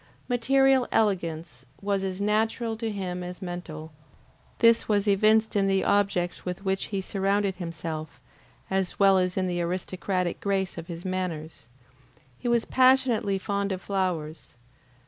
Material elegance was as natural to him as mental; this was evinced in the objects with which he surrounded himself, as well as in the aristocratic grace of his manners. He was passionately fond of flowers.